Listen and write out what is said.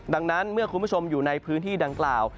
ดังนั้นเมื่อคุณผู้ชมอยู่ในพื้นที่ดังกล่าว